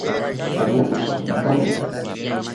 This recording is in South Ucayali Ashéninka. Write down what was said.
Pariaki osheki inkani